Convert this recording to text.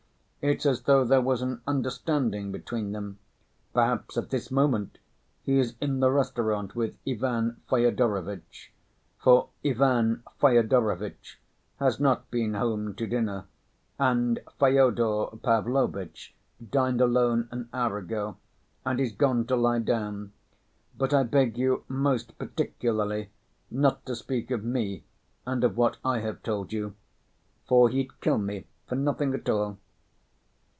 It's as though there was an understanding between them. Perhaps at this moment he is in the restaurant with Ivan Fyodorovitch, for Ivan Fyodorovitch has not been home to dinner and Fyodor Pavlovitch dined alone an hour ago, and is gone to lie down. But I beg you most particularly not to speak of me and of what I have told you, for he'd kill me for nothing at all."